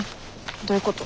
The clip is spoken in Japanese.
どういうこと？